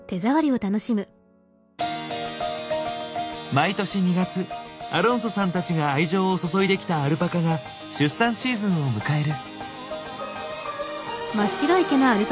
毎年２月アロンソさんたちが愛情を注いできたアルパカが出産シーズンを迎える。